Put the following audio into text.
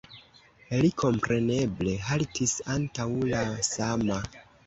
Li kompreneble haltis antaŭ la sama.